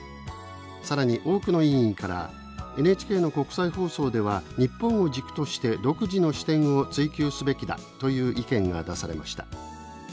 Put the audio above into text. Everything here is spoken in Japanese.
更に多くの委員から「ＮＨＫの国際放送では日本を軸として独自の視点を追求すべきだ」という意見が出されました。